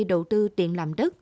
đầu tư tiền làm đất